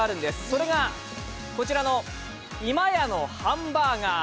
それが、こちらの今屋のハンバーガー。